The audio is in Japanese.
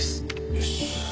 よし。